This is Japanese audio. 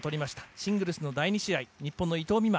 シングルスの第２試、日本の伊藤美誠。